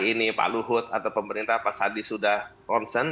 tapi kalau hari ini pak luhut atau pemerintah pasadi sudah konsen